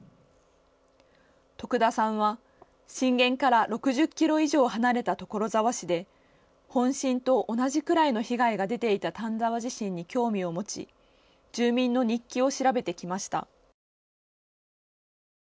徳田さんは、震源から６０ｋｍ以上離れた所沢市で本震と同じくらいの被害が出ていた丹沢地震に興味を持ち住民の日記を調べてきました。